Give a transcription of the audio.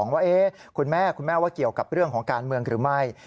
ว่าคุณแม่คุณแม่ว่าเกี่ยวกับเรื่องของการเมืองหรือไม่